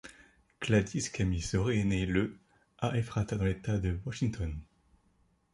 Gladys Camille Sorey est née le à Ephrata dans l'État de Washington.